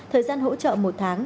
thời gian hỗ trợ một tháng